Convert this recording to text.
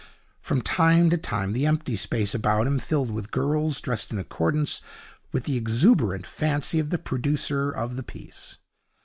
From time to time the empty space about him filled with girls dressed in accordance with the exuberant fancy of the producer of the piece.